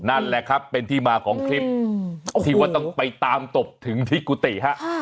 นั่นแหละครับเป็นที่มาของคลิปที่ว่าต้องไปตามตบถึงที่กุฏิฮะ